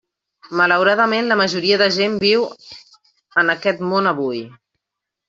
Malauradament, la majoria de gent viu en aquest món avui.